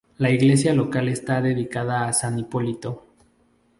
La iglesia local está dedicada a San Hipólito